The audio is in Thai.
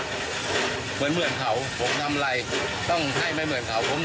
คุณคุณโค้กธรรมดาทั่วไปนะครับ